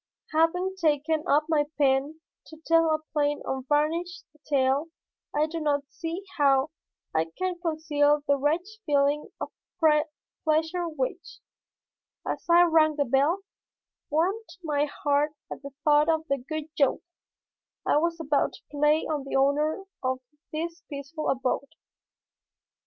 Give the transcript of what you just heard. Having taken up my pen to tell a plain unvarnished tale I do not see how I can conceal the wretched feeling of pleasure which, as I rang the bell, warmed my heart at the thought of the good joke I was about to play on the owner of this peaceful abode.